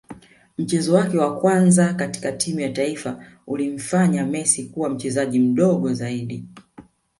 Mchezo wake wa kwanza katika timu ya taifa ulimfanya Messi kuwa mchezaji mdogo zaidi